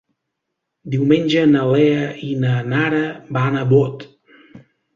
Diumenge na Lea i na Nara van a Bot.